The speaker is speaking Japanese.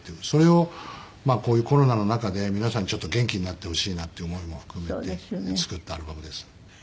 それをこういうコロナの中で皆さんにちょっと元気になってほしいなっていう思いも含めて作ったアルバムです。